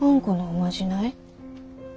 このおまじない？